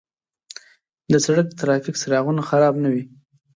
د سړک د ترافیک څراغونه خراب نه وي.